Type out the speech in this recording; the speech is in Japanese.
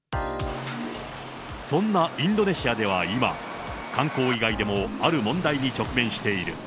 そんなインドネシアでは今、観光以外でもある問題に直面している。